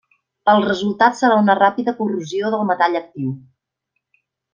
El resultat serà una ràpida corrosió del metall actiu.